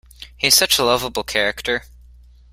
He's such a lovable character.